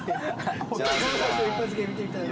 金指の一発芸見てみたい。